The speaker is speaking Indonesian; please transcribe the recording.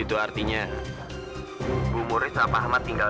orang ini akan sowie kamu pada waktu tak tidur hidup